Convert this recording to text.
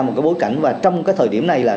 một cái bối cảnh và trong cái thời điểm này là